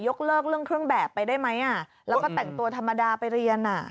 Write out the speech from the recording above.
เลิกเรื่องเครื่องแบบไปได้ไหมแล้วก็แต่งตัวธรรมดาไปเรียนอ่ะ